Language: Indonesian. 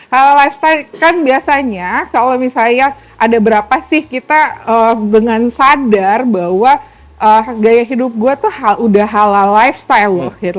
hal lifestyle kan biasanya kalau misalnya ada berapa sih kita dengan sadar bahwa gaya hidup gue tuh udah halal lifestyle